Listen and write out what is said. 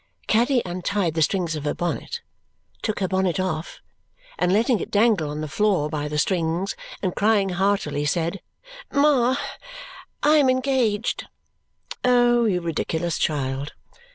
Caddy untied the strings of her bonnet, took her bonnet off, and letting it dangle on the floor by the strings, and crying heartily, said, "Ma, I am engaged." "Oh, you ridiculous child!"